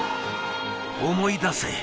思い出せ。